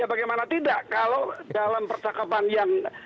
ya bagaimana tidak kalau dalam persakapan yang dipakai sebagai dasar